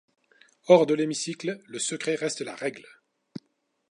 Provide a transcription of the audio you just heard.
Hors de l'hémicycle, le secret reste la règle.